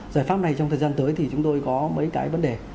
giải pháp này trong thời gian tới thì chúng tôi có mấy cái vấn đề